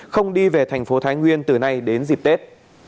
không đi về thành phố thái nguyên từ nay đến dịp tết